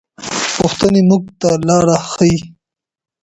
پوښتنې موږ ته لاره ښيي.